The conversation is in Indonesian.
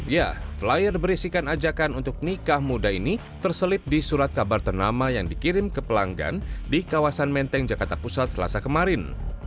ya flyer berisikan ajakan untuk nikah muda ini terselip di surat kabar ternama yang dikirim ke pelanggan di kawasan menteng jakarta pusat selasa kemarin